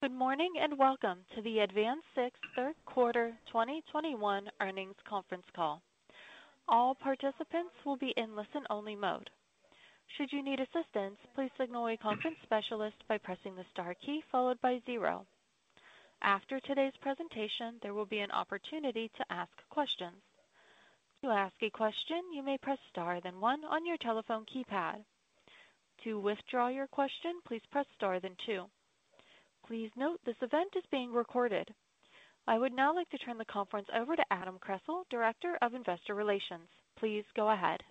Good morning, and welcome to the AdvanSix Third Quarter 2021 Earnings Conference Call. All participants will be in listen-only mode. Should you need assistance, please signal a conference specialist by pressing the star key followed by zero. After today's presentation, there will be an opportunity to ask questions. To ask a question, you may press star then one on your telephone keypad. To withdraw your question, please press star then two. Please note this event is being recorded. I would now like to turn the conference over to Adam Kressel, Director of Investor Relations. Please go ahead.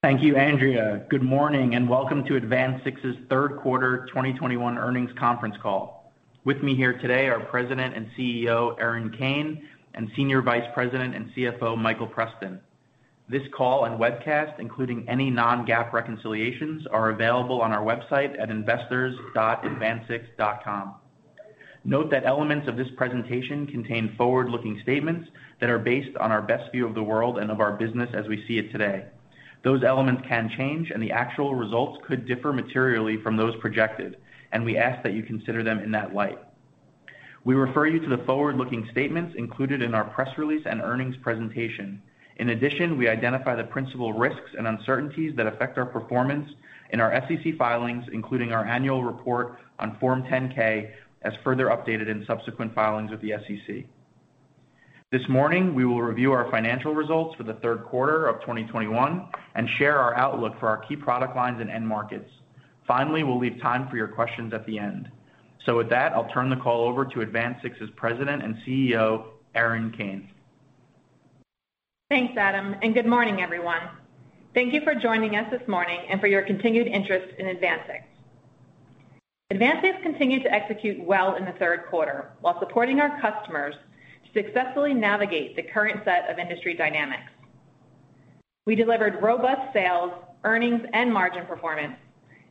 Thank you, Andrea. Good morning and welcome to AdvanSix's Third Quarter 2021 Earnings Conference Call. With me here today are President and CEO Erin Kane and Senior Vice President and CFO Michael Preston. This call and webcast, including any non-GAAP reconciliations, are available on our website at investors.advansix.com. Note that elements of this presentation contain forward-looking statements that are based on our best view of the world and of our business as we see it today. Those elements can change and the actual results could differ materially from those projected, and we ask that you consider them in that light. We refer you to the forward-looking statements included in our press release and earnings presentation. In addition, we identify the principal risks and uncertainties that affect our performance in our SEC filings, including our annual report on Form 10-K, as further updated in subsequent filings with the SEC. This morning, we will review our financial results for the third quarter of 2021 and share our outlook for our key product lines and end markets. Finally, we'll leave time for your questions at the end. With that, I'll turn the call over to AdvanSix's President and CEO, Erin Kane. Thanks, Adam, and good morning, everyone. Thank you for joining us this morning and for your continued interest in AdvanSix. AdvanSix continued to execute well in the third quarter while supporting our customers to successfully navigate the current set of industry dynamics. We delivered robust sales, earnings, and margin performance,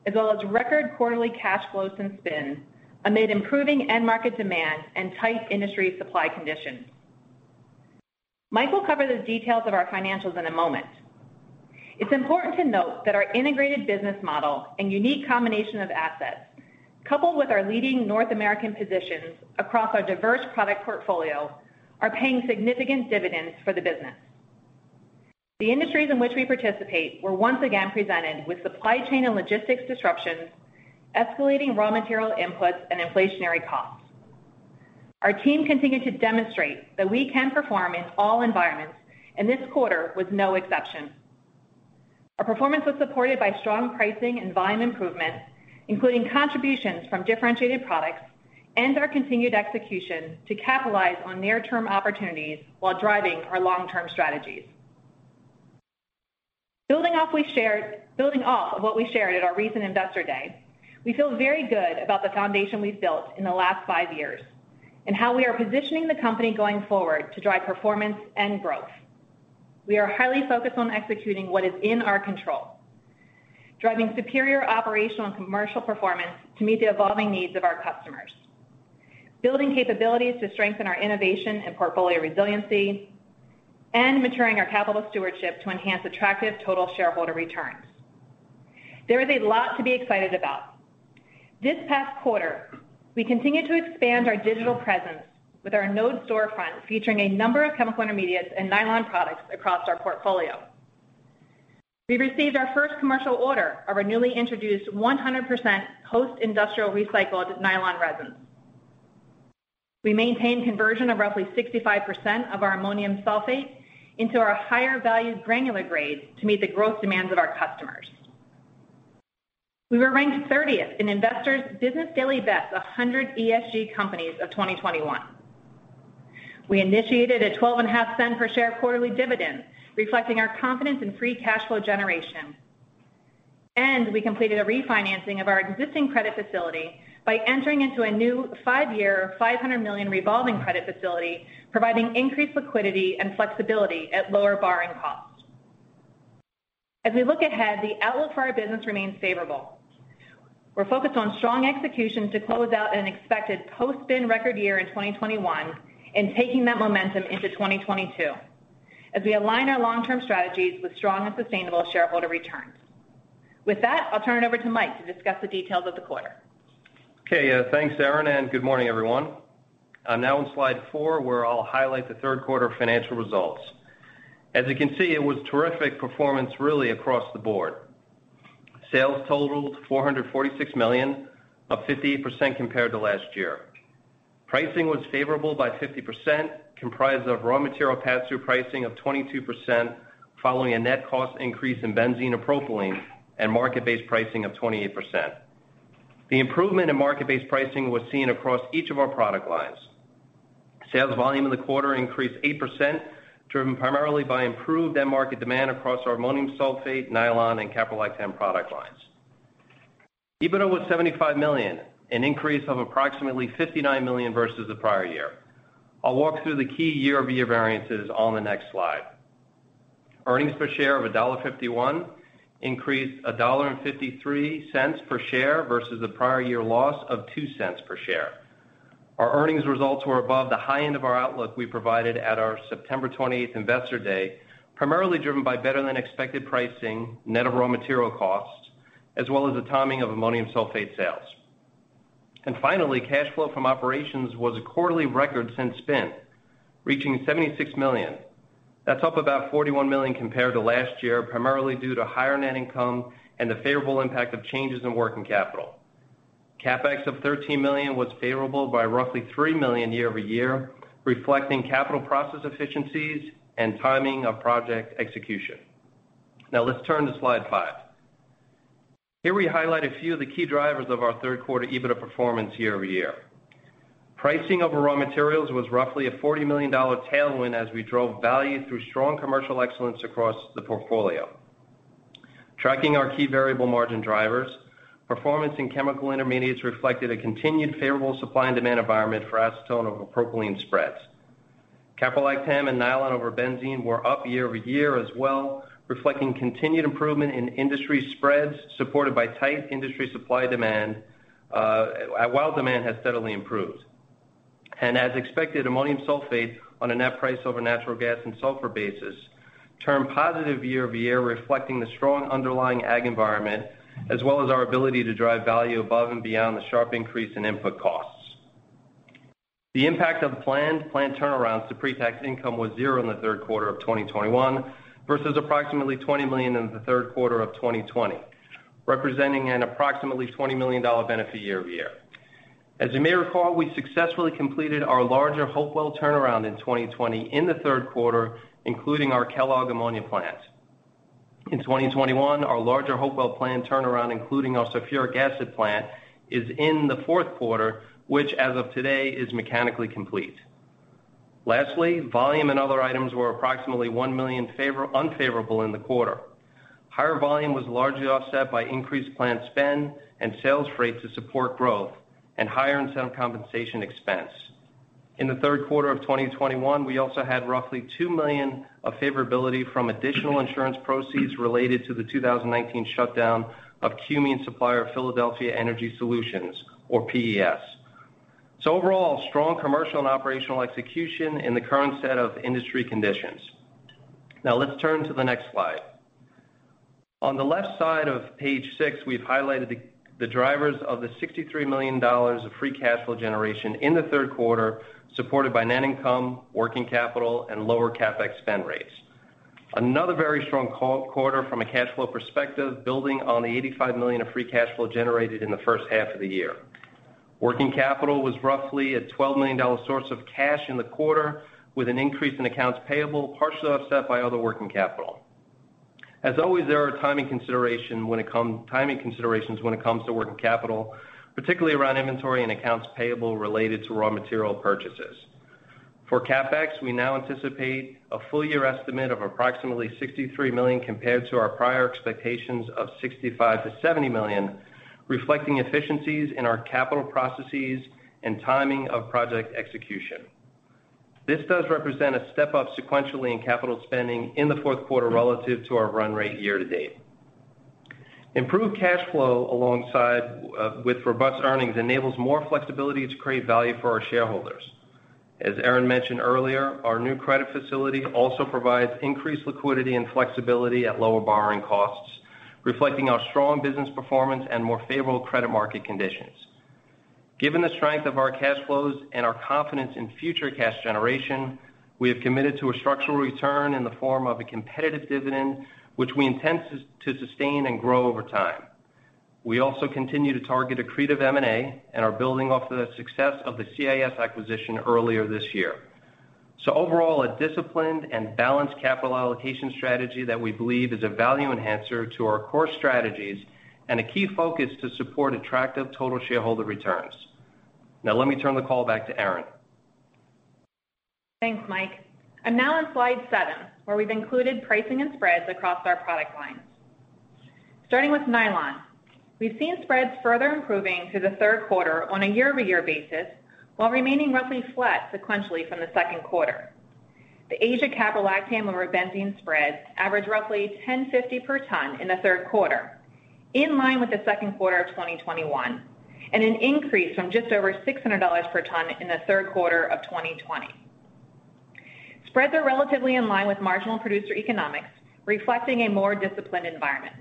as well as record quarterly cash flows since spin amid improving end market demand and tight industry supply conditions. Mike will cover the details of our financials in a moment. It's important to note that our integrated business model and unique combination of assets, coupled with our leading North American positions across our diverse product portfolio, are paying significant dividends for the business. The industries in which we participate were once again presented with supply chain and logistics disruptions, escalating raw material inputs, and inflationary costs. Our team continued to demonstrate that we can perform in all environments, and this quarter was no exception. Our performance was supported by strong pricing and volume improvements, including contributions from differentiated products and our continued execution to capitalize on near-term opportunities while driving our long-term strategies. Building off of what we shared at our recent Investor Day, we feel very good about the foundation we've built in the last five years and how we are positioning the company going forward to drive performance and growth. We are highly focused on executing what is in our control, driving superior operational and commercial performance to meet the evolving needs of our customers, building capabilities to strengthen our innovation and portfolio resiliency, and maturing our capital stewardship to enhance attractive total shareholder returns. There is a lot to be excited about. This past quarter, we continued to expand our digital presence with our Knowde storefront, featuring a number of chemical intermediates and nylon products across our portfolio. We received our first commercial order of our newly introduced 100% post-industrial recycled nylon resins. We maintain conversion of roughly 65% of our ammonium sulfate into our higher value granular grades to meet the growth demands of our customers. We were ranked 30th in Investor's Business Daily's Best 100 ESG companies of 2021. We initiated a $0.125 per share quarterly dividend, reflecting our confidence in free cash flow generation. We completed a refinancing of our existing credit facility by entering into a new 5-year, $500 million revolving credit facility, providing increased liquidity and flexibility at lower borrowing costs. As we look ahead, the outlook for our business remains favorable. We're focused on strong execution to close out an expected post-spin record year in 2021 and taking that momentum into 2022 as we align our long-term strategies with strong and sustainable shareholder returns. With that, I'll turn it over to Mike to discuss the details of the quarter. Okay. Thanks, Erin, and good morning, everyone. I'm now on slide four, where I'll highlight the third quarter financial results. As you can see, it was terrific performance really across the board. Sales totaled $446 million, up 58% compared to last year. Pricing was favorable by 50%, comprised of raw material pass-through pricing of 22%, following a net cost increase in benzene and propylene and market-based pricing of 28%. The improvement in market-based pricing was seen across each of our product lines. Sales volume in the quarter increased 8%, driven primarily by improved end market demand across our ammonium sulfate, nylon, and caprolactam product lines. EBITDA was $75 million, an increase of approximately $59 million versus the prior year. I'll walk through the key year-over-year variances on the next slide. Earnings per share of $1.51 increased $1.53 per share versus the prior year loss of $0.02 per share. Our earnings results were above the high end of our outlook we provided at our 28 September Investor Day, primarily driven by better than expected pricing, net of raw material costs, as well as the timing of ammonium sulfate sales. Finally, cash flow from operations was a quarterly record since spin, reaching $76 million. That's up about $41 million compared to last year, primarily due to higher net income and the favorable impact of changes in working capital. CapEx of $13 million was favorable by roughly $3 million year-over-year, reflecting capital process efficiencies and timing of project execution. Now let's turn to slide five. Here we highlight a few of the key drivers of our third quarter EBITDA performance year-over-year. Pricing net of raw materials was roughly a $40 million tailwind as we drove value through strong commercial excellence across the portfolio. Tracking our key variable margin drivers, performance in chemical intermediates reflected a continued favorable supply and demand environment for acetone over propylene spreads. Caprolactam and nylon over benzene were up year-over-year as well, reflecting continued improvement in industry spreads supported by tight industry supply demand, while demand has steadily improved. As expected, ammonium sulfate on a net price over natural gas and sulfur basis turned positive year-over-year, reflecting the strong underlying ag environment, as well as our ability to drive value above and beyond the sharp increase in input costs. The impact of the planned plant turnarounds to pre-tax income was zero in the third quarter of 2021 versus approximately $20 million in the third quarter of 2020, representing an approximately $20 million benefit year-over-year. As you may recall, we successfully completed our larger Hopewell turnaround in 2020 in the third quarter, including our Kellogg ammonia plant. In 2021, our larger Hopewell plant turnaround, including our sulfuric acid plant, is in the fourth quarter, which as of today is mechanically complete. Lastly, volume and other items were approximately $1 million unfavorable in the quarter. Higher volume was largely offset by increased plant spend and sales rates to support growth and higher incentive compensation expense. In the third quarter of 2021, we also had roughly $2 million of favorability from additional insurance proceeds related to the 2019 shutdown of cumene supplier Philadelphia Energy Solutions or PES. Overall, strong commercial and operational execution in the current set of industry conditions. Now let's turn to the next slide. On the left side of page six, we've highlighted the drivers of the $63 million of free cash flow generation in the third quarter, supported by net income, working capital and lower CapEx spend rates. Another very strong quarter from a cash flow perspective, building on the $85 million of free cash flow generated in the first half of the year. Working capital was roughly a $12 million source of cash in the quarter, with an increase in accounts payable partially offset by other working capital. As always, there are timing considerations when it comes to working capital, particularly around inventory and accounts payable related to raw material purchases. For CapEx, we now anticipate a full year estimate of approximately $63 million compared to our prior expectations of $65 million-$70 million, reflecting efficiencies in our capital processes and timing of project execution. This does represent a step up sequentially in capital spending in the fourth quarter relative to our run rate year to date. Improved cash flow alongside with robust earnings enables more flexibility to create value for our shareholders. As Erin mentioned earlier, our new credit facility also provides increased liquidity and flexibility at lower borrowing costs, reflecting our strong business performance and more favorable credit market conditions. Given the strength of our cash flows and our confidence in future cash generation, we have committed to a structural return in the form of a competitive dividend, which we intend to sustain and grow over time. We also continue to target accretive M&A and are building off of the success of the CIS acquisition earlier this year. Overall, a disciplined and balanced capital allocation strategy that we believe is a value enhancer to our core strategies and a key focus to support attractive total shareholder returns. Now let me turn the call back to Erin. Thanks, Mike. I'm now on slide seven, where we've included pricing and spreads across our product lines. Starting with nylon. We've seen spreads further improving through the third quarter on a year-over-year basis, while remaining roughly flat sequentially from the second quarter. The Asia caprolactam over benzene spreads averaged roughly 1,050 per ton in the third quarter, in line with the second quarter of 2021, and an increase from just over $600 per ton in the third quarter of 2020. Spreads are relatively in line with marginal producer economics, reflecting a more disciplined environment.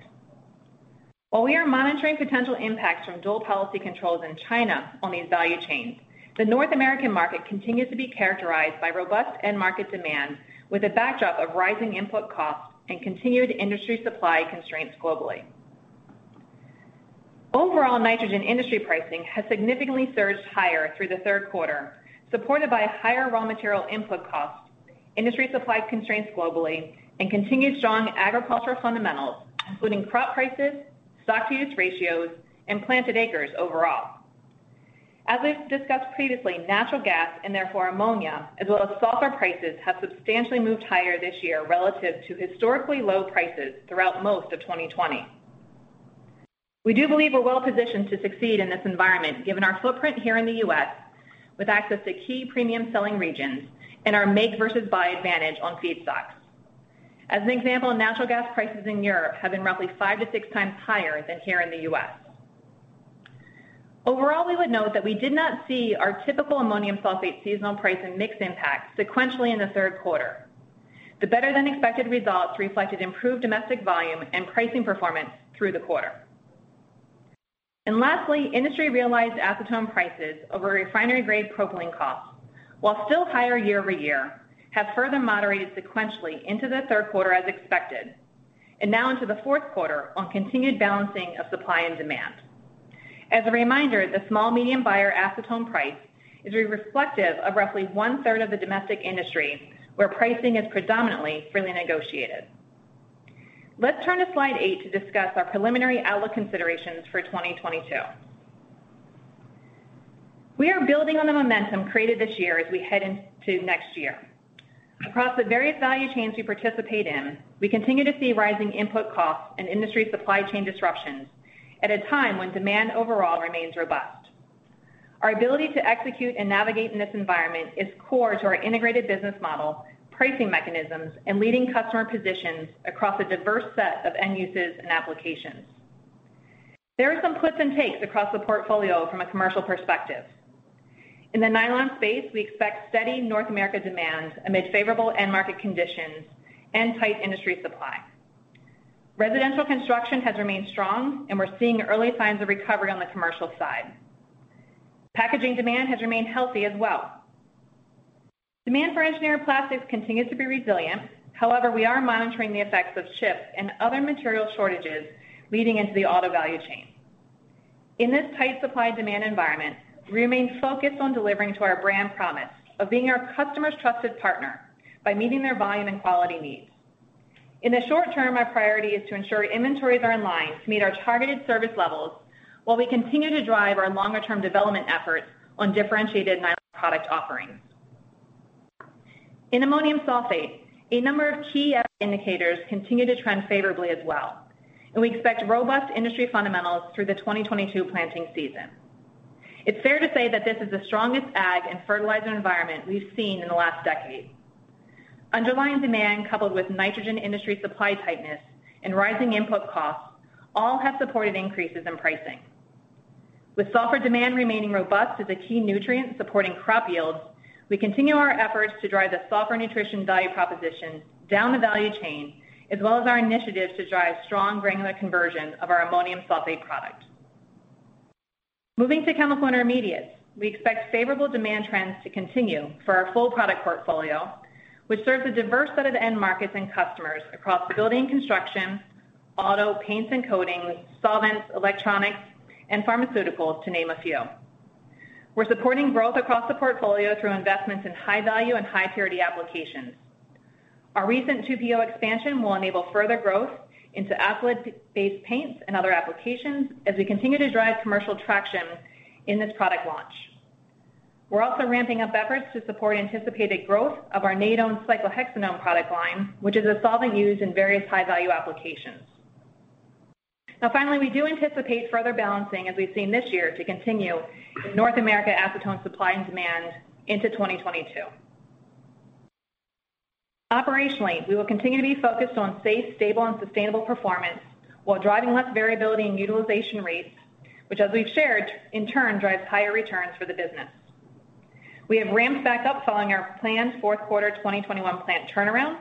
While we are monitoring potential impacts from dual control policy in China on these value chains, the North American market continues to be characterized by robust end market demand with a backdrop of rising input costs and continued industry supply constraints globally. Overall, nitrogen industry pricing has significantly surged higher through the third quarter, supported by higher raw material input costs, industry supply constraints globally, and continued strong agricultural fundamentals, including crop prices, stock-to-use ratios, and planted acres overall. As we've discussed previously, natural gas and therefore ammonia as well as sulfur prices have substantially moved higher this year relative to historically low prices throughout most of 2020. We do believe we're well positioned to succeed in this environment, given our footprint here in the U.S. with access to key premium selling regions and our make versus buy advantage on feedstocks. As an example, natural gas prices in Europe have been roughly 5-6x higher than here in the U.S. Overall, we would note that we did not see our typical ammonium sulfate seasonal price and mix impact sequentially in the third quarter. The better-than-expected results reflected improved domestic volume and pricing performance through the quarter. Lastly, industry realized acetone prices over refinery grade propylene costs, while still higher year-over-year, have further moderated sequentially into the third quarter as expected, and now into the fourth quarter on continued balancing of supply and demand. As a reminder, the small medium buyer acetone price is reflective of roughly one-third of the domestic industry where pricing is predominantly freely negotiated. Let's turn to slide eight to discuss our preliminary outlook considerations for 2022. We are building on the momentum created this year as we head into next year. Across the various value chains we participate in, we continue to see rising input costs and industry supply chain disruptions at a time when demand overall remains robust. Our ability to execute and navigate in this environment is core to our integrated business model, pricing mechanisms, and leading customer positions across a diverse set of end uses and applications. There are some puts and takes across the portfolio from a commercial perspective. In the nylon space, we expect steady North America demands amid favorable end market conditions and tight industry supply. Residential construction has remained strong and we're seeing early signs of recovery on the commercial side. Packaging demand has remained healthy as well. Demand for engineering plastics continues to be resilient. However, we are monitoring the effects of ships and other material shortages leading into the auto value chain. In this tight supply demand environment, we remain focused on delivering to our brand promise of being our customer's trusted partner by meeting their volume and quality needs. In the short term, our priority is to ensure inventories are in line to meet our targeted service levels while we continue to drive our longer term development efforts on differentiated nylon product offerings. In ammonium sulfate, a number of key indicators continue to trend favorably as well, and we expect robust industry fundamentals through the 2022 planting season. It's fair to say that this is the strongest ag in fertilizer environment we've seen in the last decade. Underlying demand, coupled with nitrogen industry supply tightness and rising input costs, all have supported increases in pricing. With sulfur demand remaining robust as a key nutrient supporting crop yields, we continue our efforts to drive the sulfur nutrition value proposition down the value chain, as well as our initiatives to drive strong granular conversion of our ammonium sulfate product. Moving to chemical intermediates, we expect favorable demand trends to continue for our full product portfolio, which serves a diverse set of end markets and customers across the building and construction, auto paints and coatings, solvents, electronics, and pharmaceuticals, to name a few. We're supporting growth across the portfolio through investments in high-value and high-purity applications. Our recent AMS expansion will enable further growth into acrylic-based paints and other applications as we continue to drive commercial traction in this product launch. We're also ramping up efforts to support anticipated growth of our Nadone® cyclohexanone product line, which is a solvent used in various high-value applications. Now finally, we do anticipate further balancing, as we've seen this year, to continue North America acetone supply and demand into 2022. Operationally, we will continue to be focused on safe, stable, and sustainable performance while driving less variability in utilization rates, which as we've shared, in turn, drives higher returns for the business. We have ramped back up following our planned fourth quarter 2021 plant turnaround.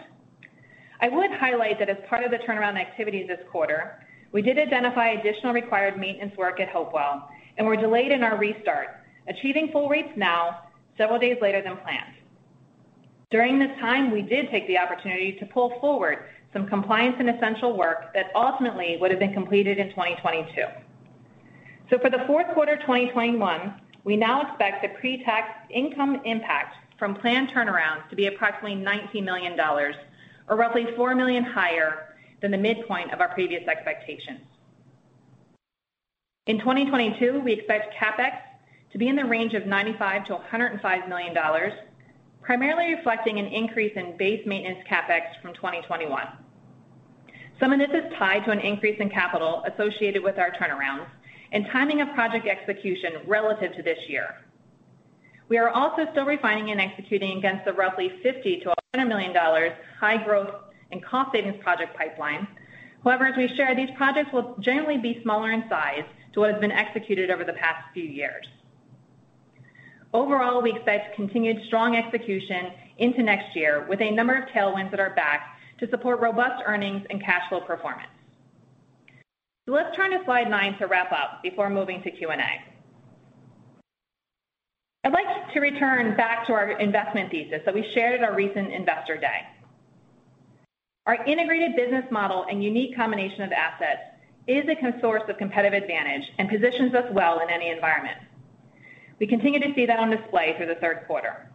I would highlight that as part of the turnaround activity this quarter, we did identify additional required maintenance work at Hopewell, and we're delayed in our restart, achieving full rates now several days later than planned. During this time, we did take the opportunity to pull forward some compliance and essential work that ultimately would have been completed in 2022. For the fourth quarter 2021, we now expect the pretax income impact from planned turnarounds to be approximately $90 million, or roughly $4 million higher than the midpoint of our previous expectations. In 2022, we expect CapEx to be in the range of $95-105 million, primarily reflecting an increase in base maintenance CapEx from 2021. Some of this is tied to an increase in capital associated with our turnarounds and timing of project execution relative to this year. We are also still refining and executing against the roughly $50-100 million high growth and cost savings project pipeline. However, as we share, these projects will generally be smaller in size to what has been executed over the past few years. Overall, we expect continued strong execution into next year with a number of tailwinds at our back to support robust earnings and cash flow performance. Let's turn to slide nine to wrap up before moving to Q&A. I'd like to return back to our investment thesis that we shared at our recent Investor Day. Our integrated business model and unique combination of assets is a source of competitive advantage and positions us well in any environment. We continue to see that on display through the third quarter.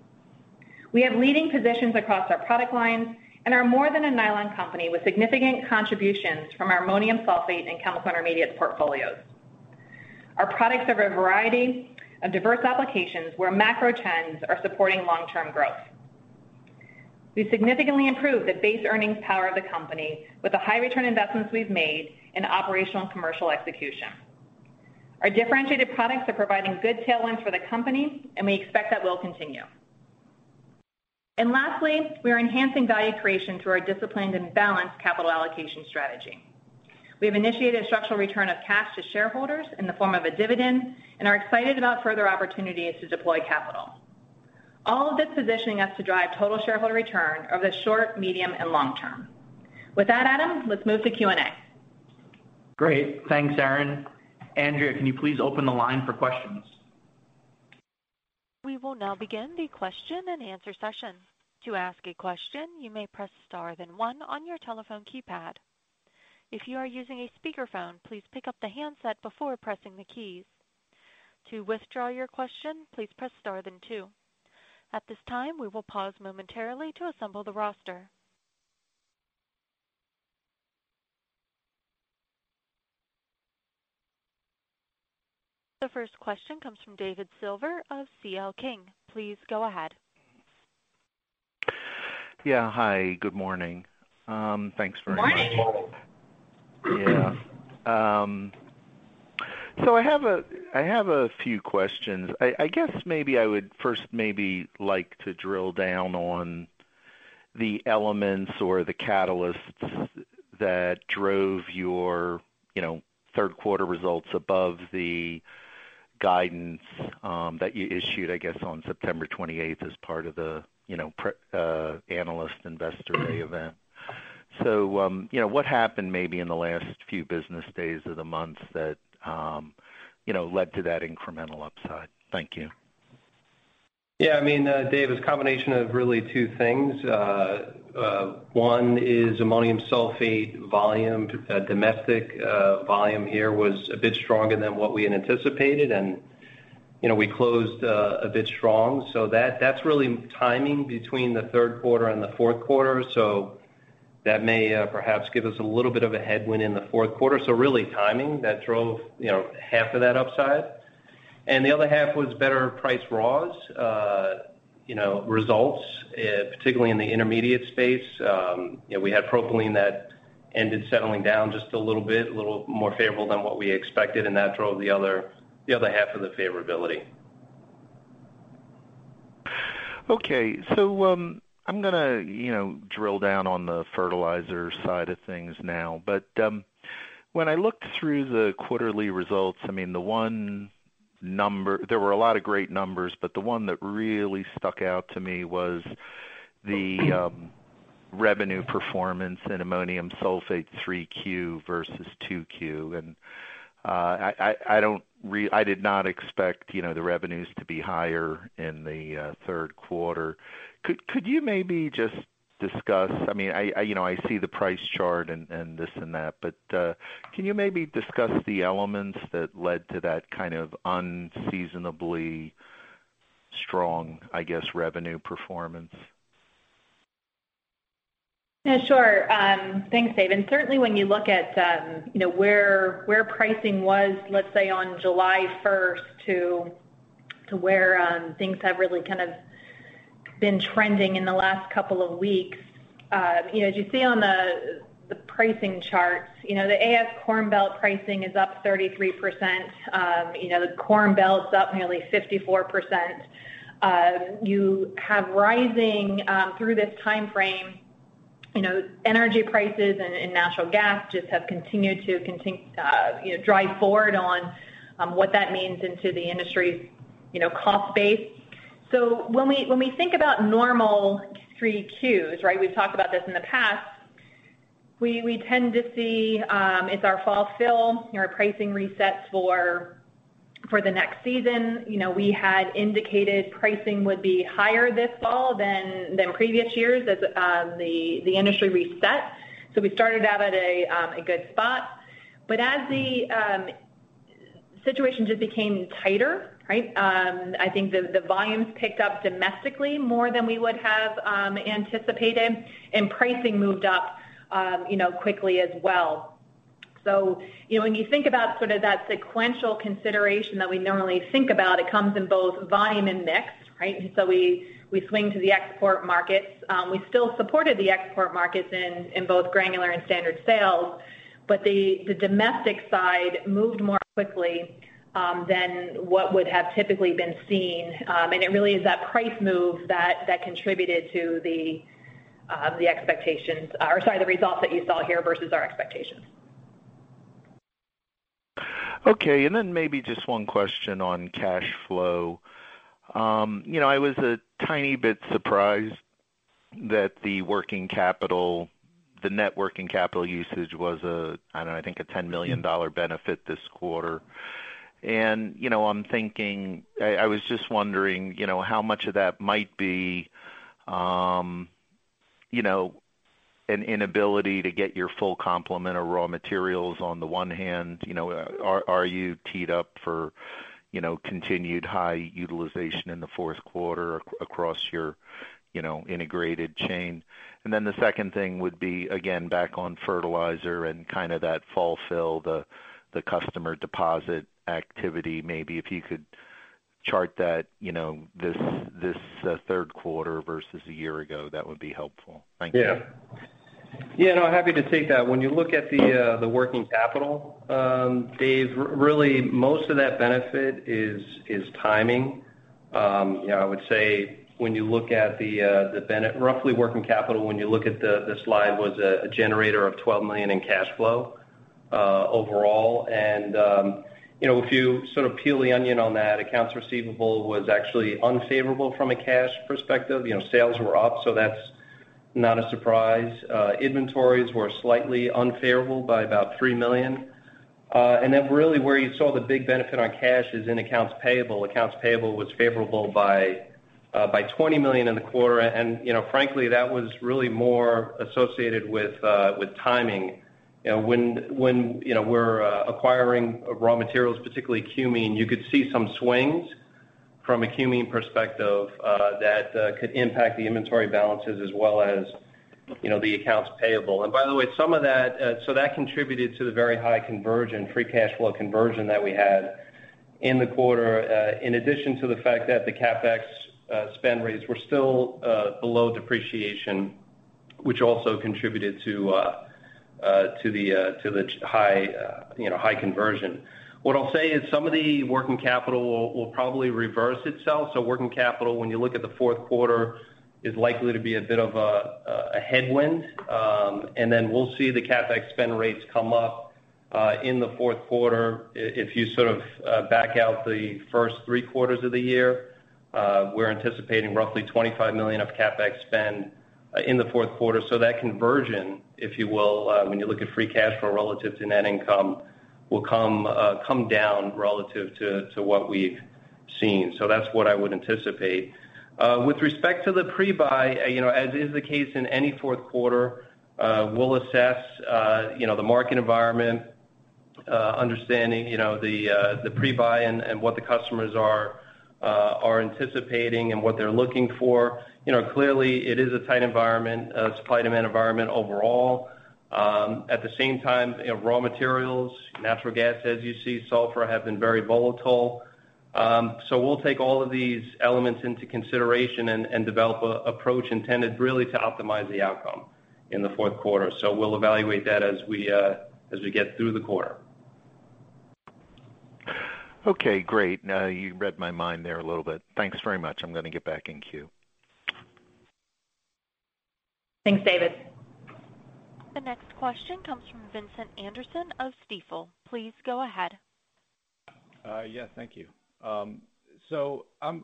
We have leading positions across our product lines and are more than a nylon company with significant contributions from our ammonium sulfate and chemical intermediates portfolios. Our products serve a variety of diverse applications where macro trends are supporting long-term growth. We significantly improved the base earnings power of the company with the high return investments we've made in operational and commercial execution. Our differentiated products are providing good tailwinds for the company, and we expect that will continue. Lastly, we are enhancing value creation through our disciplined and balanced capital allocation strategy. We have initiated a structural return of cash to shareholders in the form of a dividend and are excited about further opportunities to deploy capital. All of this positioning us to drive total shareholder return over the short, medium, and long term. With that, Adam, let's move to Q&A. Great. Thanks, Erin. Andrea, can you please open the line for questions? We will now begin the Question-and-Answer Session. To ask a question, you may press star then one on your telephone keypad. If you are using a speakerphone, please pick up the handset before pressing the keys. To withdraw your question, please press star then two. At this time, we will pause momentarily to assemble the roster. The first question comes from David Silver of C.L. King. Please go ahead. Yeah. Hi, good morning. Thanks very much. Morning. I have a few questions. I guess maybe I would first maybe like to drill down on the elements or the catalysts that drove your, you know, third quarter results above the guidance that you issued, I guess, on September twenty-eighth as part of the, you know, pre-analyst Investor Day event. What happened maybe in the last few business days of the month that led to that incremental upside? Thank you. Yeah. I mean, Dave, it's a combination of really two things. One is ammonium sulfate volume. Domestic volume here was a bit stronger than what we had anticipated, and you know, we closed a bit strong. So that's really timing between the third quarter and the fourth quarter. So that may perhaps give us a little bit of a headwind in the fourth quarter. So really timing that drove you know half of that upside. And the other half was better price and raws you know results particularly in the intermediate space. You know, we had propylene that ended up settling down just a little bit, a little more favorable than what we expected, and that drove the other half of the favorability. Okay. I'm gonna, you know, drill down on the fertilizer side of things now. When I looked through the quarterly results, I mean, the one number. There were a lot of great numbers, but the one that really stuck out to me was the revenue performance in ammonium sulfate 3Q versus 2Q. I did not expect, you know, the revenues to be higher in the third quarter. Could you maybe just discuss. I mean, you know, I see the price chart and this and that, but can you maybe discuss the elements that led to that kind of unseasonably strong, I guess, revenue performance? Yeah, sure. Thanks, Dave. Certainly when you look at, you know, where pricing was, let's say, on 1 July to where things have really kind of been trending in the last couple of weeks, you know, as you see on the pricing charts, you know, the AS Corn Belt pricing is up 33%. You know, the Corn Belt's up nearly 54%. You have rising, through this timeframe, you know, energy prices and natural gas just have continued to drive forward on what that means into the industry's, you know, cost base. When we think about normal 3 Qs, right, we've talked about this in the past, we tend to see it's our fall fill, you know, our pricing resets for the next season. You know, we had indicated pricing would be higher this fall than previous years as the industry reset. We started out at a good spot. As the situation just became tighter, right, I think the volumes picked up domestically more than we would have anticipated, and pricing moved up you know, quickly as well. You know, when you think about sort of that sequential consideration that we normally think about, it comes in both volume and mix, right? We swing to the export markets. We still supported the export markets in both granular and standard sales, but the domestic side moved more quickly than what would have typically been seen. It really is that price move that contributed to the results that you saw here versus our expectations. Okay. Then maybe just one question on cash flow. You know, I was a tiny bit surprised that the working capital, the net working capital usage was a, I don't know, I think a $10 million benefit this quarter. You know, I'm thinking I was just wondering, you know, how much of that might be, you know, an inability to get your full complement of raw materials on the one hand. You know, are you teed up for, you know, continued high utilization in the fourth quarter across your, you know, integrated chain? Then the second thing would be, again, back on fertilizer and kinda that fall fill, the customer deposit activity, maybe if you could chart that, you know, this third quarter versus a year ago, that would be helpful. Thank you. Yeah. Yeah, no, happy to take that. When you look at the working capital, Dave, really most of that benefit is timing. You know, I would say when you look at the roughly working capital, when you look at the slide was a generator of $12 million in cash flow, overall. You know, if you sort of peel the onion on that, accounts receivable was actually unfavorable from a cash perspective. You know, sales were up, so that's not a surprise. Inventories were slightly unfavorable by about $3 million. And then really where you saw the big benefit on cash is in accounts payable. Accounts payable was favorable by $20 million in the quarter. You know, frankly, that was really more associated with timing. You know, you know, we're acquiring raw materials, particularly cumene. You could see some swings from a cumene perspective that could impact the inventory balances as well as, you know, the accounts payable. Some of that contributed to the very high conversion, free cash flow conversion that we had in the quarter, in addition to the fact that the CapEx spend rates were still below depreciation, which also contributed to the high conversion. What I'll say is some of the working capital will probably reverse itself. Working capital, when you look at the fourth quarter, is likely to be a bit of a headwind. We'll see the CapEx spend rates come up in the fourth quarter. If you sort of back out the first three quarters of the year, we're anticipating roughly $25 million of CapEx spend in the fourth quarter. That conversion, if you will, when you look at free cash flow relative to net income, will come down relative to what we've seen. That's what I would anticipate. With respect to the pre-buy, you know, as is the case in any fourth quarter, we'll assess, you know, the market environment, understanding, you know, the pre-buy and what the customers are anticipating and what they're looking for. You know, clearly it is a tight environment, supply-demand environment overall. At the same time, you know, raw materials, natural gas, as you see, sulfur have been very volatile. We'll take all of these elements into consideration and develop an approach intended really to optimize the outcome in the fourth quarter. We'll evaluate that as we get through the quarter. Okay, great. Now you read my mind there a little bit. Thanks very much. I'm gonna get back in queue. Thanks, David. The next question comes from Vincent Anderson of Stifel. Please go ahead. Yeah, thank you. I'm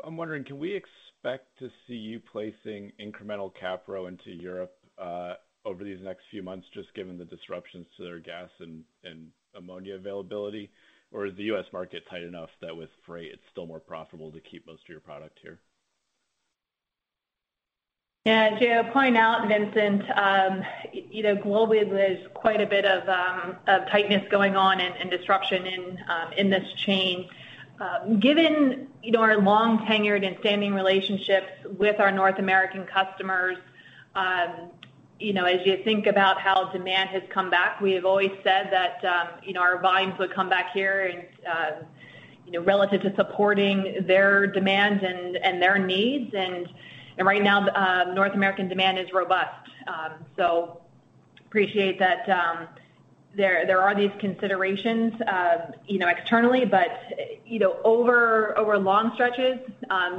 wondering, can we expect to see you placing incremental capro into Europe over these next few months just given the disruptions to their gas and ammonia availability? Or is the U.S. market tight enough that with freight it's still more profitable to keep most of your product here? Yeah, as Jay points out, Vincent, you know, globally there's quite a bit of tightness going on and disruption in this chain. Given, you know, our long tenured and standing relationships with our North American customers, you know, as you think about how demand has come back, we have always said that, you know, our volumes would come back here and, you know, relative to supporting their demands and their needs. Right now, North American demand is robust. Appreciate that, there are these considerations, you know, externally, but, you know, over long stretches,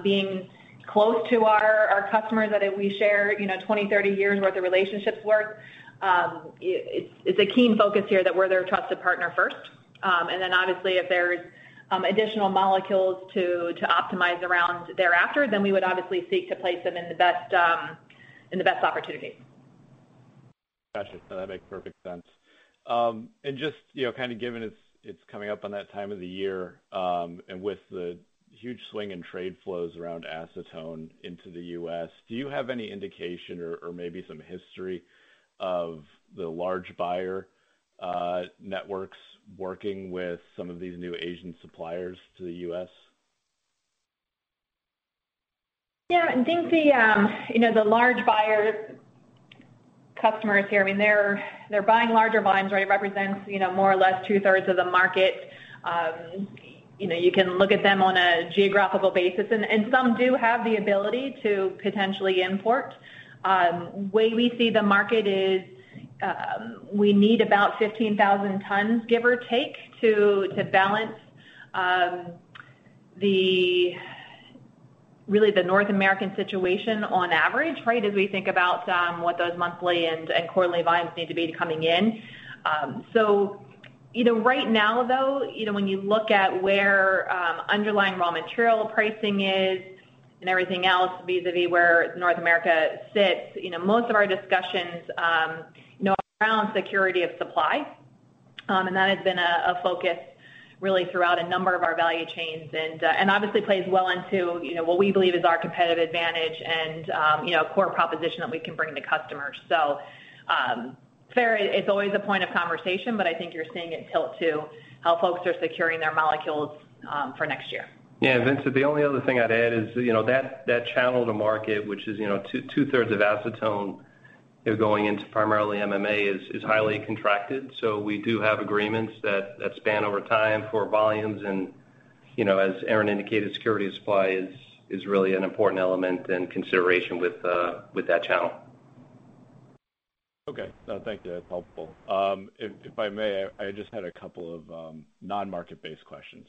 being close to our customers that we share, you know, 20, 30 years' worth of relationships with, it's a keen focus here that we're their trusted partner first. Obviously if there's additional molecules to optimize around thereafter, then we would obviously seek to place them in the best opportunity. Got you. No, that makes perfect sense. Just, you know, kind of given it's coming up on that time of the year, and with the huge swing in trade flows around acetone into the U.S., do you have any indication or maybe some history of the large buyer networks working with some of these new Asian suppliers to the U.S.? Yeah. I think the, you know, the large buyer customers here, I mean, they're buying larger volumes, right? Represents, you know, more or less two-thirds of the market. You know, you can look at them on a geographical basis and some do have the ability to potentially import. Way we see the market is, we need about 15,000 tons, give or take, to balance, really the North American situation on average, right? As we think about what those monthly and quarterly volumes need to be coming in. So, you know, right now though, you know, when you look at where underlying raw material pricing is and everything else vis-a-vis where North America sits, you know, most of our discussions, you know, are around security of supply. That has been a focus really throughout a number of our value chains and obviously plays well into, you know, what we believe is our competitive advantage and, you know, core proposition that we can bring to customers. Fair, it's always a point of conversation, but I think you're seeing it tilt to how folks are securing their molecules for next year. Yeah, Vincent, the only other thing I'd add is, you know, that channel to market, which is, you know, two-thirds of acetone going into primarily MMA is highly contracted. So we do have agreements that span over time for volumes. You know, as Erin indicated, security of supply is really an important element and consideration with that channel. Okay. No, thank you. That's helpful. If I may, I just had a couple of non-market-based questions.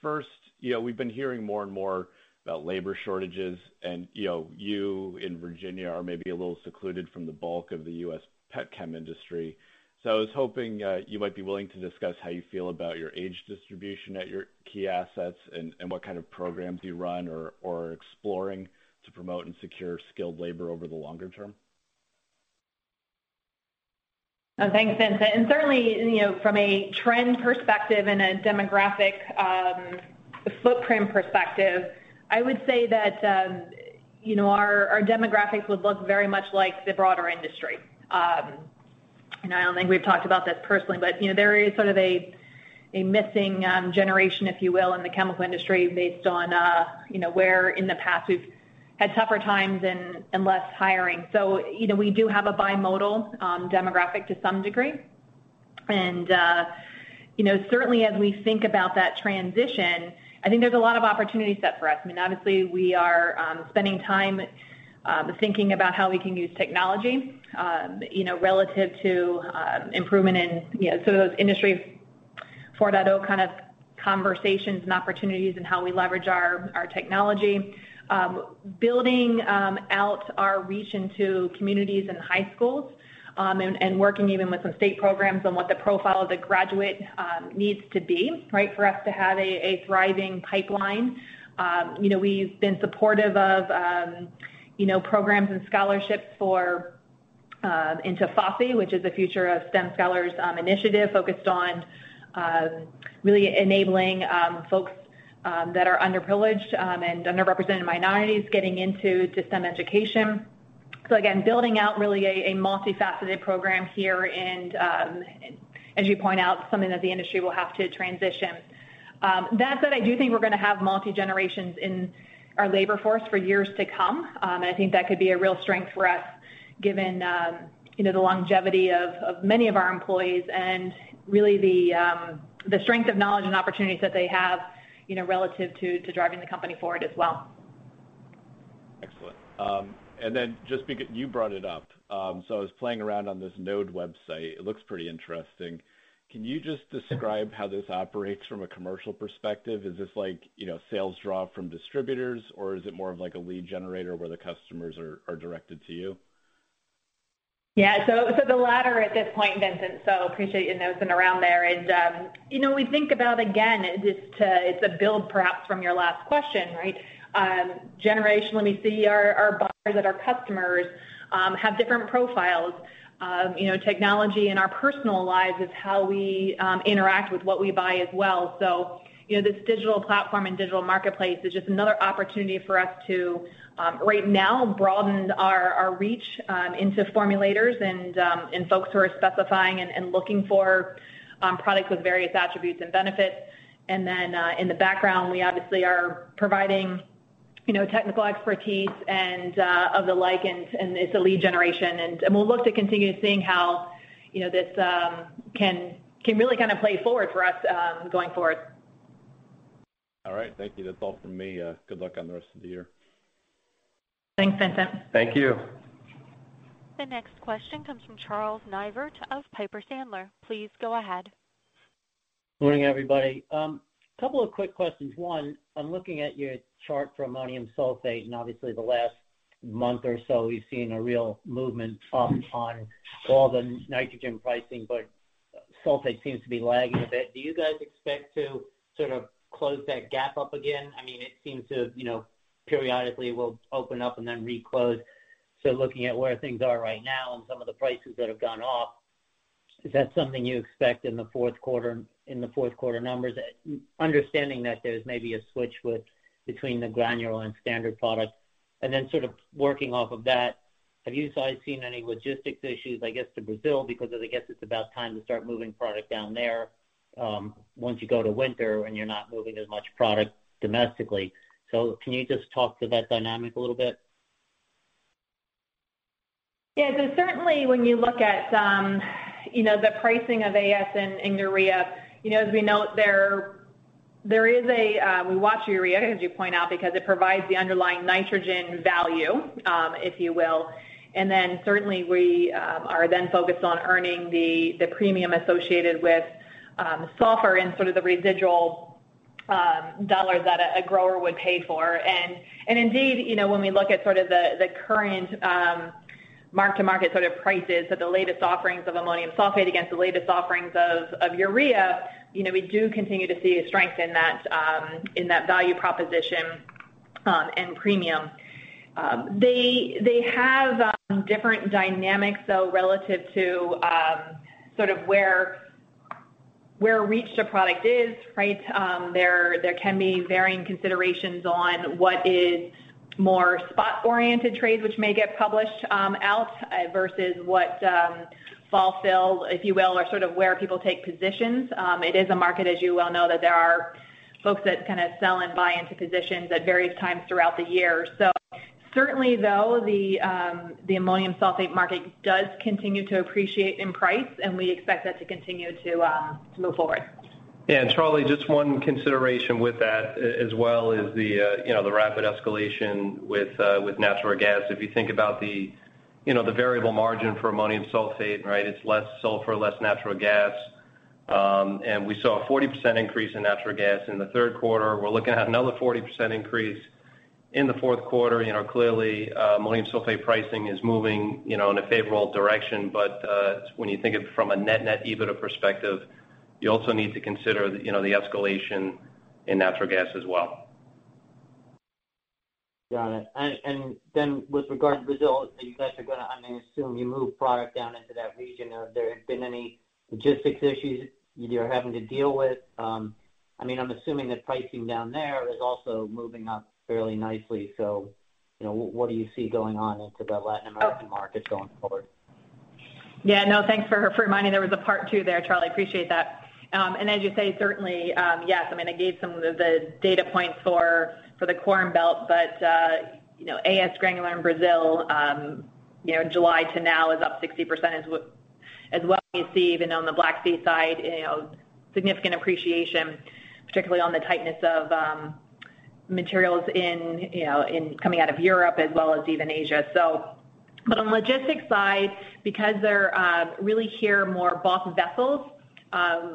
First, you know, we've been hearing more and more about labor shortages, and, you know, you in Virginia are maybe a little secluded from the bulk of the U.S. petchem industry. I was hoping, you might be willing to discuss how you feel about your age distribution at your key assets and what kind of programs you run or are exploring to promote and secure skilled labor over the longer term? Thanks, Vincent. Certainly, you know, from a trend perspective and a demographic footprint perspective, I would say that, you know, our demographics would look very much like the broader industry. I don't think we've talked about this personally, but, you know, there is sort of a missing generation, if you will, in the chemical industry based on, you know, where in the past we've had tougher times and less hiring. You know, we do have a bimodal demographic to some degree. You know, certainly as we think about that transition, I think there's a lot of opportunity set for us. I mean, obviously we are spending time thinking about how we can use technology, you know, relative to improvement in, you know, some of those Industry 4.0 kind of conversations and opportunities and how we leverage our technology. Building out our reach into communities and high schools and working even with some state programs on what the profile of the graduate needs to be, right, for us to have a thriving pipeline. You know, we've been supportive of, you know, programs and scholarships for, into FOSSI, which is the Future of STEM Scholars Initiative focused on really enabling folks that are underprivileged and underrepresented minorities getting into the STEM education. Again, building out really a multifaceted program here and, as you point out, something that the industry will have to transition. That said, I do think we're gonna have multi-generations in our labor force for years to come. I think that could be a real strength for us, given you know, the longevity of many of our employees and really the strength of knowledge and opportunities that they have, you know, relative to driving the company forward as well. Excellent. You brought it up. I was playing around on this Knowde website. It looks pretty interesting. Can you just describe how this operates from a commercial perspective? Is this like, you know, sales draw from distributors, or is it more of like a lead generator where the customers are directed to you? The latter at this point, Vincent, so appreciate you nosing around there. You know, we think about, again, it's a build perhaps from your last question, right? Generation, when we see our buyers and our customers have different profiles. You know, technology in our personal lives is how we interact with what we buy as well. You know, this digital platform and digital marketplace is just another opportunity for us to right now broaden our reach into formulators and folks who are specifying and looking for products with various attributes and benefits. In the background, we obviously are providing, you know, technical expertise and of the like, and it's a lead generation. We'll look to continue seeing how, you know, this can really kind of play forward for us, going forward. All right. Thank you. That's all from me. Good luck on the rest of the year. Thanks, Vincent. Thank you. The next question comes from Charles Neivert of Piper Sandler. Please go ahead. Morning, everybody. Couple of quick questions. One, I'm looking at your chart for ammonium sulfate, and obviously the last month or so, we've seen a real movement up on all the nitrogen pricing, but sulfate seems to be lagging a bit. Do you guys expect to sort of close that gap up again? I mean, it seems to, you know, periodically will open up and then reclose. So looking at where things are right now and some of the prices that have gone off, is that something you expect in the fourth quarter, in the fourth quarter numbers? Understanding that there's maybe a switch between the granular and standard product. Sort of working off of that, have you guys seen any logistics issues, I guess, to Brazil? Because I guess it's about time to start moving product down there, once you go to winter and you're not moving as much product domestically. Can you just talk to that dynamic a little bit? Yeah. Certainly when you look at, you know, the pricing of AS and urea, you know, as we know, there is. We watch urea, as you point out, because it provides the underlying nitrogen value, if you will. Certainly we are then focused on earning the premium associated with sulfur and sort of the residual dollars that a grower would pay for. Indeed, you know, when we look at sort of the current mark-to-market sort of prices of the latest offerings of ammonium sulfate against the latest offerings of urea, you know, we do continue to see a strength in that in that value proposition, and premium. They have different dynamics, though, relative to sort of where each product is, right? There can be varying considerations on what is more spot-oriented trades which may get published out versus what we'll fill, if you will, or sort of where people take positions. It is a market, as you well know, that there are folks that kind of sell and buy into positions at various times throughout the year. Certainly though, the ammonium sulfate market does continue to appreciate in price, and we expect that to continue to move forward. Yeah. Charlie, just one consideration with that as well is the, you know, the rapid escalation with natural gas. If you think about the, you know, the variable margin for ammonium sulfate, right? It's less sulfur, less natural gas. We saw a 40% increase in natural gas in the third quarter. We're looking at another 40% increase in the fourth quarter. You know, clearly, ammonium sulfate pricing is moving, you know, in a favorable direction. When you think of it from a net-net EBITDA perspective, you also need to consider, you know, the escalation in natural gas as well. Got it. Then with regard to Brazil, you guys are gonna—I'm gonna assume you move product down into that region. Have there been any logistics issues you're having to deal with? I mean, I'm assuming that pricing down there is also moving up fairly nicely. You know, what do you see going on into the Latin American market going forward? Yeah. No, thanks for reminding there was a part two there, Charlie. Appreciate that. As you say, certainly, yes, I mean, I gave some of the data points for the corn belt, but you know, AS granular in Brazil, you know, July to now is up 60% as well. You see even on the Black Sea side, you know, significant appreciation, particularly on the tightness of materials in coming out of Europe as well as even Asia. But on the logistics side, because they're really here more bulk vessels,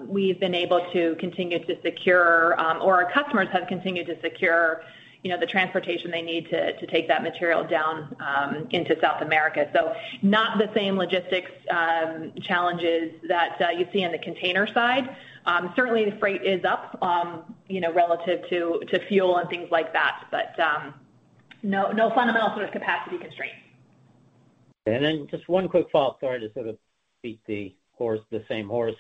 we've been able to continue to secure, or our customers have continued to secure, you know, the transportation they need to take that material down into South America. Not the same logistics challenges that you see on the container side. Certainly the freight is up, you know, relative to fuel and things like that. No fundamental sort of capacity constraints. Then just one quick follow-up, sorry, to sort of beat the horse, the same horse.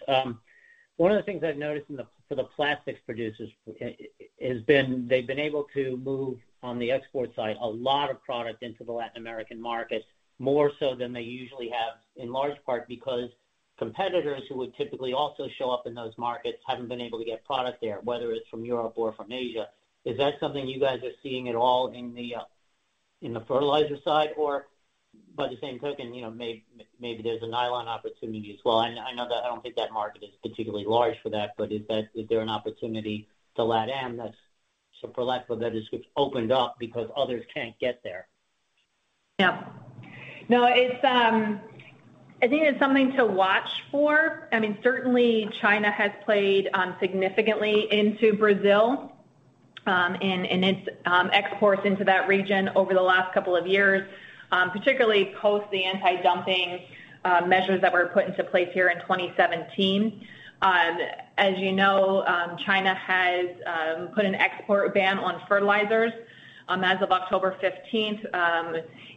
One of the things I've noticed for the plastics producers is that they've been able to move on the export side a lot of product into the Latin American market, more so than they usually have, in large part because competitors who would typically also show up in those markets haven't been able to get product there, whether it's from Europe or from Asia. Is that something you guys are seeing at all in the fertilizer side? Or by the same token, you know, maybe there's a nylon opportunity as well. I know that I don't think that market is particularly large for that, but is there an opportunity to LatAm that's for lack of a better description, opened up because others can't get there? Yeah. No, it's, I think it's something to watch for. I mean, certainly China has played significantly into Brazil, in its exports into that region over the last couple of years, particularly post the anti-dumping measures that were put into place here in 2017. As you know, China has put an export ban on fertilizers, as of 19 October.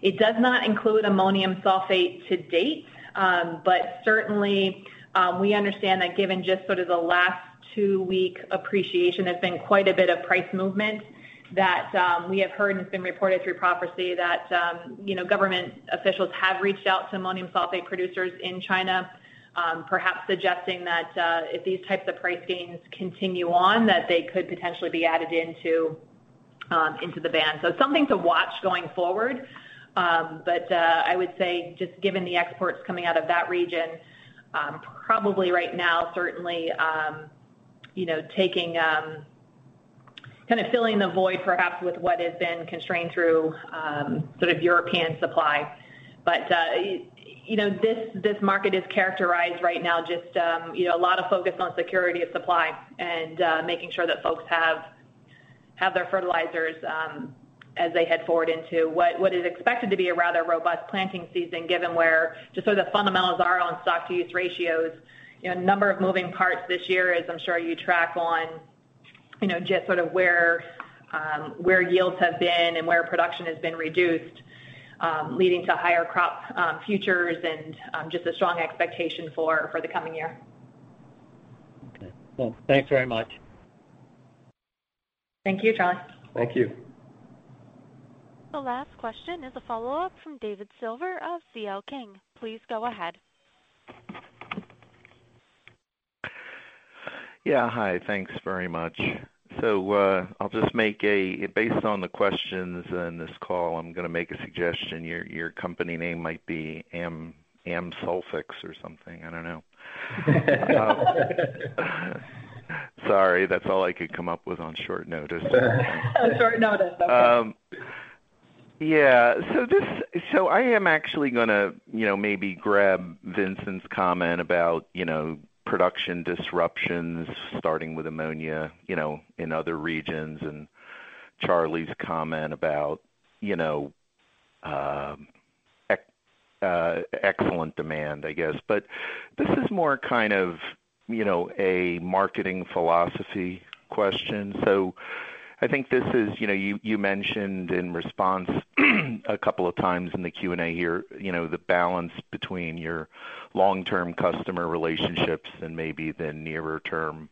It does not include ammonium sulfate to-date. Certainly, we understand that given just sort of the last two-week appreciation, there's been quite a bit of price movement that we have heard and has been reported through Profercy that you know, government officials have reached out to ammonium sulfate producers in China, perhaps suggesting that if these types of price gains continue on, that they could potentially be added into the ban. Something to watch going forward. I would say just given the exports coming out of that region, probably right now certainly, you know, taking kind of filling the void perhaps with what has been constrained through sort of European supply. You know, this market is characterized right now just you know a lot of focus on security of supply and making sure that folks have their fertilizers as they head forward into what is expected to be a rather robust planting season, given where just sort of the fundamentals are on stock-to-use ratios. You know, a number of moving parts this year, as I'm sure you track on you know just sort of where yields have been and where production has been reduced leading to higher crop futures and just a strong expectation for the coming year. Okay. Well, thanks very much. Thank you, Charlie. Thank you. The last question is a follow-up from David Silver of C.L. King. Please go ahead. Yeah. Hi. Thanks very much. I'll just make a suggestion based on the questions in this call. Your company name might be Amsulfix or something. I don't know. Sorry. That's all I could come up with on short notice there. On short notice. Okay. Yeah. I am actually gonna, you know, maybe grab Vincent's comment about, you know, production disruptions starting with ammonia, you know, in other regions and Charlie's comment about, you know, excellent demand, I guess. This is more kind of, you know, a marketing philosophy question. I think this is, you know, you mentioned in response a couple of times in the Q&A here, you know, the balance between your long-term customer relationships and maybe the nearer term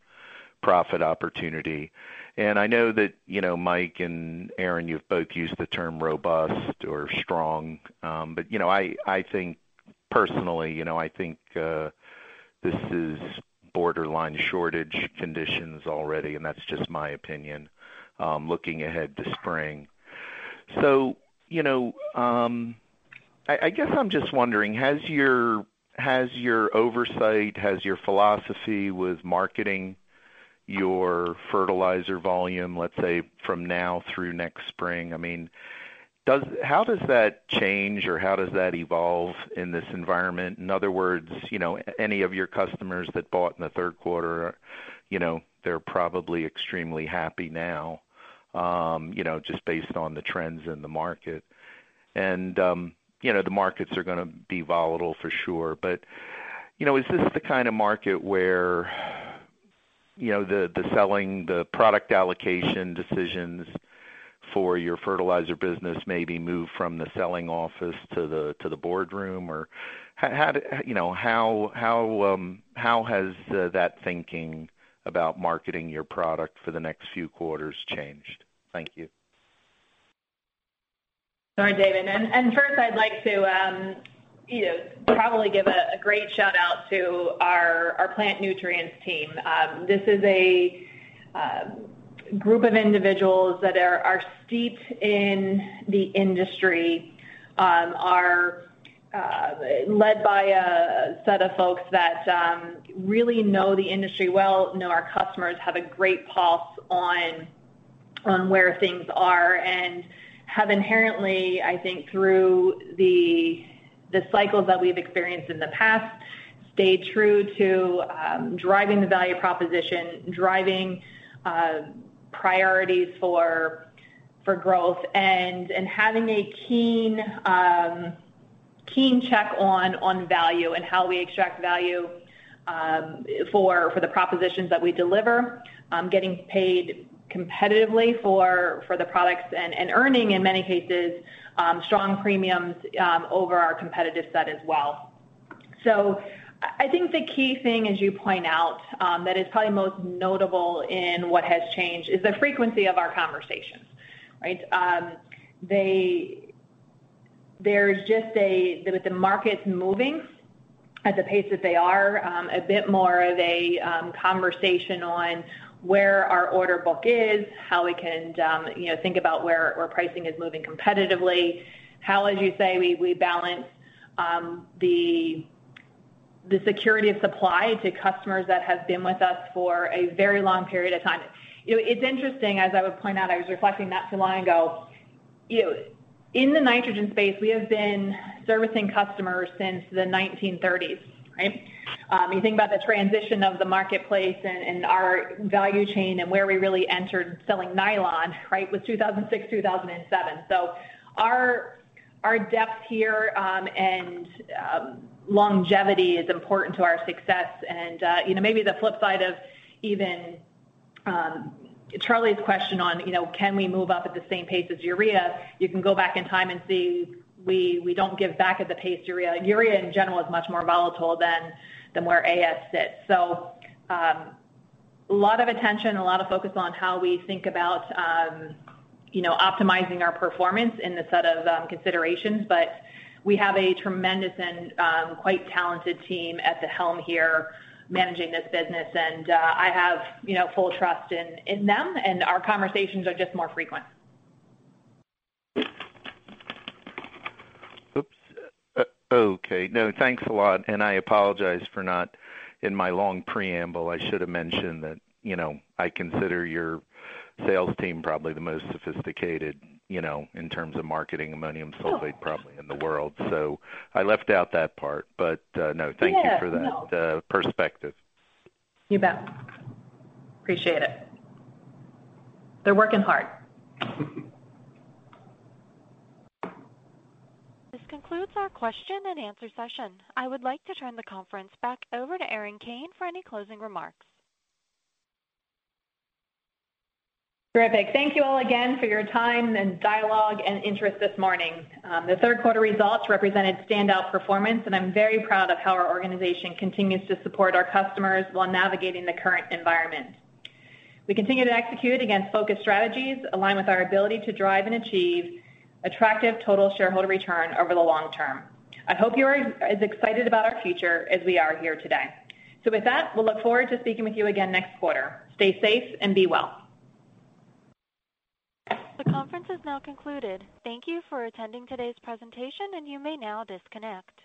profit opportunity. I know that, you know, Mike and Erin, you've both used the term robust or strong. You know, I think, personally, you know, I think this is borderline shortage conditions already, and that's just my opinion, looking ahead to spring. You know, I guess I'm just wondering, has your oversight, has your philosophy with marketing your fertilizer volume, let's say from now through next spring, I mean, how does that change or how does that evolve in this environment? In other words, you know, any of your customers that bought in the third quarter, you know, they're probably extremely happy now, you know, just based on the trends in the market. You know, the markets are gonna be volatile for sure. You know, is this the kind of market where, you know, the selling, the product allocation decisions for your fertilizer business may be moved from the selling office to the boardroom? Or how you know, how has that thinking about marketing your product for the next few quarters changed? Thank you. Sorry, David. First I'd like to, you know, probably give a great shout-out to our plant nutrients team. This is a group of individuals that are steeped in the industry, are led by a set of folks that really know the industry well, know our customers, have a great pulse on where things are and have inherently, I think, through the cycles that we've experienced in the past, stayed true to driving the value proposition, driving priorities for growth and having a keen check on value and how we extract value for the propositions that we deliver, getting paid competitively for the products and earning, in many cases, strong premiums over our competitive set as well. I think the key thing, as you point out, that is probably most notable in what has changed is the frequency of our conversations, right? With the markets moving at the pace that they are, a bit more of a conversation on where our order book is, how we can, you know, think about where our pricing is moving competitively. How, as you say, we balance the security of supply to customers that have been with us for a very long period of time. You know, it's interesting, as I would point out, I was reflecting not too long ago. You know, in the nitrogen space, we have been servicing customers since the 1930s, right? You think about the transition of the marketplace and our value chain and where we really entered selling nylon, right, was 2006-2007. Our depth here and longevity is important to our success. You know, maybe the flip side of even Charlie's question on, you know, can we move up at the same pace as urea. You can go back in time and see we don't give back at the pace urea. Urea in general is much more volatile than where AS sits. A lot of attention, a lot of focus on how we think about, you know, optimizing our performance in the set of considerations. We have a tremendous and quite talented team at the helm here managing this business. I have, you know, full trust in them, and our conversations are just more frequent. Oops. Okay. No, thanks a lot. I apologize for not, in my long preamble, I should have mentioned that, you know, I consider your sales team probably the most sophisticated, you know, in terms of marketing ammonium sulfate probably in the world. I left out that part. No, thank you for that perspective. You bet. Appreciate it. They're working hard. This concludes our question and answer session. I would like to turn the conference back over to Erin Kane for any closing remarks. Terrific. Thank you all again for your time and dialogue and interest this morning. The third quarter results represented standout performance, and I'm very proud of how our organization continues to support our customers while navigating the current environment. We continue to execute against focused strategies, align with our ability to drive and achieve attractive total shareholder return over the long term. I hope you are as excited about our future as we are here today. With that, we'll look forward to speaking with you again next quarter. Stay safe and be well. The conference is now concluded. Thank you for attending today's presentation, and you may now disconnect.